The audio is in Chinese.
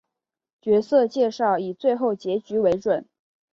角色介绍以最后结局为准。